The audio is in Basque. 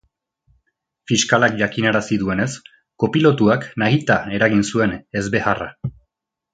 Fiskalak jakinarazi zuenez, kopilotuak nahita eragin zuen ezbeharra.